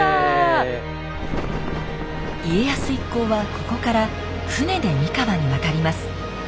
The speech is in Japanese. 家康一行はここから船で三河に渡ります。